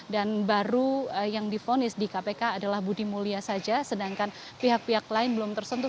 dan baru yang difonis di kpk adalah budi mulia saja sedangkan pihak pihak lain belum tersentuh